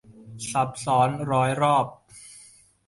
ซ้ำซักร้อยรอบ